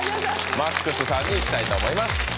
「ＭＡＸ」さんにいきたいと思います